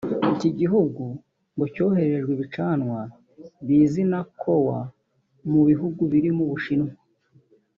Iki gihugu ngo cyoherejwe ibicanwa bizwi na ‘coal’ mu bihugu birimo u Bushinwa